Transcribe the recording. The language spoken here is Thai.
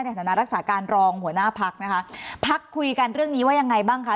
ในฐานะรักษาการรองหัวหน้าพักนะคะพักคุยกันเรื่องนี้ว่ายังไงบ้างคะ